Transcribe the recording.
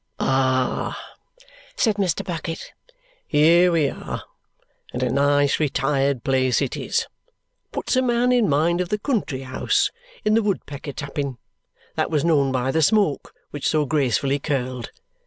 "Ah!" said Mr. Bucket. "Here we are, and a nice retired place it is. Puts a man in mind of the country house in the Woodpecker tapping, that was known by the smoke which so gracefully curled.